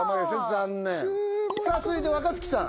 残念さあ続いて若槻さん